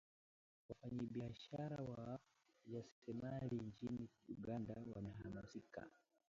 wafanyabiashara na wajasiriamali nchini Uganda wamehamasika